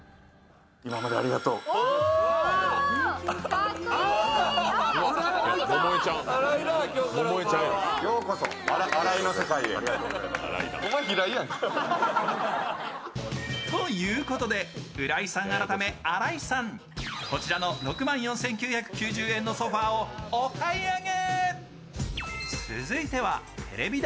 かっこいい、あ、置いた。ということで浦井さん改め新井さん、こちらの６万４９９０円のソファーをお買い上げ。